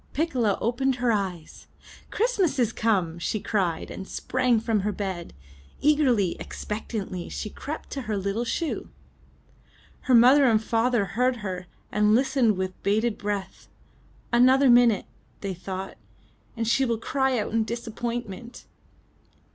Piccola opened her eyes. ''Christmas is come!*' she cried and sprang from her bed. Eagerly, expectantly, she crept to her little shoe. Her mother and father heard her, and listened with bated breath. "Another minute,'' they thought, "and she will cry out in disappointment!"